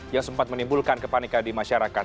yang sempat menimbulkan kepanikan di masyarakat